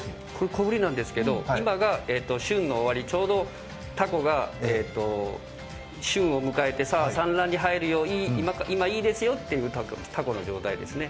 小振りなんですけど、今が旬の終わり、ちょうどたこが旬を迎えて、さあ、産卵に入るように今いいですよというたこの状態ですね。